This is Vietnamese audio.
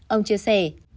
ông chia sẻ